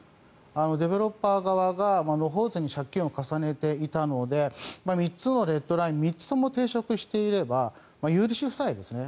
ディベロッパー側が野放図に借金を重ねていたので３つのレッドライン３つとも抵触していれば有利子負債ですね。